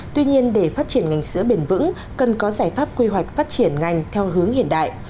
tuy nhiên để phát triển ngành sữa bền vững cần có giải pháp quy hoạch phát triển ngành theo hướng hiện đại